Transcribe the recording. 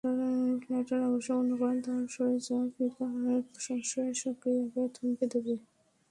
Blatter অবশ্য মনে করেন তাঁর সরে যাওয়া ফিফার সংস্কার প্রক্রিয়াকে থমকে দেবে।